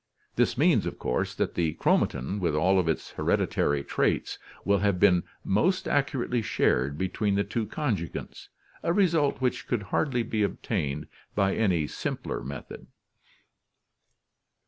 This means of course that the chromatin, with all of its hereditary traits, will have been most accurately shared between the two con jugants, a result which could hardly be obtained by any simpler method.